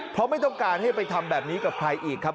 เพราะไม่ต้องการให้ไปทำแบบนี้กับใครอีกครับ